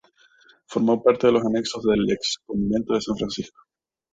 Formó parte de los anexos del Ex Convento de San Francisco.